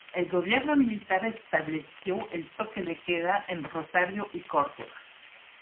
El gobierno militar estableció el toque de queda en Rosario y Córdoba.